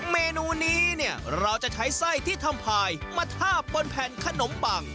เมนูนี้เนี่ยเราจะใช้ไส้ที่ทำพายมาทาบบนแผ่นขนมปัง